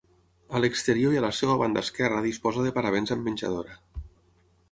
A l'exterior i a la seva banda esquerra disposa de paravents amb menjadora.